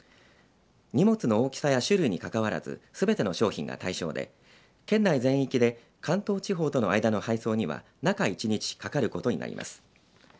荷物の大きさや種類にかかわらずすべての商品が対象で県内全域で関東地方との間の配送には中１日かかることになります。